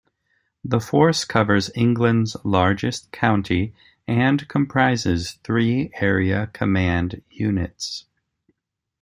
The force covers England's largest county and comprises three area command units.